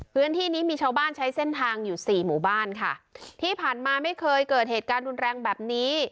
พื้นที่นี้มีชาวบ้านใช้เส้นทางอยู่สี่หมู่บ้านค่ะที่ผ่านมาไม่เคยเกิดเหตุการณ์รุนแรงแบบนี้